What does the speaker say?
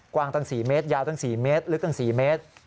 ตั้ง๔เมตรยาวตั้ง๔เมตรลึกตั้ง๔เมตร